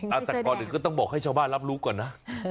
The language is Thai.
แต่ก่อนอื่นก็ต้องบอกให้ชาวบ้านรับรู้ก่อนนะ